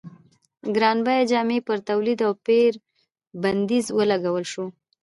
ګران بیه جامو پر تولید او پېر بندیز ولګول شو.